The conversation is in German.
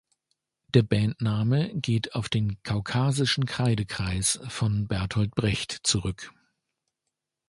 Der Bandname geht auf den Kaukasischen Kreidekreis von Bertolt Brecht zurück.